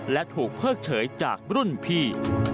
และถูกเพิกเฉยจากรุ่นพี่